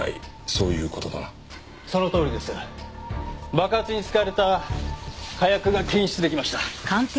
爆発に使われた火薬が検出出来ました。